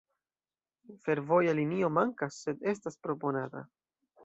Fervoja linio mankas, sed estas proponata.